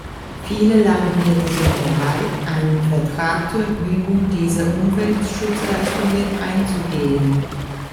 Viele Landwirte sind bereit, einen Vertrag zur Erbringung dieser Umweltschutzleistungen einzugehen.